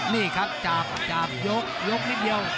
นี่ครับจากยกยกนิดเดียว